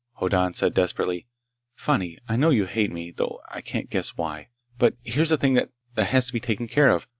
Hoddan said desperately: "Fani, I know you hate me, though I can't guess why. But here's a thing that ... has to be taken care of!